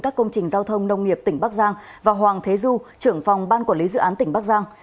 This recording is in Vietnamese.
các công trình giao thông nông nghiệp tỉnh bắc giang và hoàng thế du trưởng phòng ban quản lý dự án tỉnh bắc giang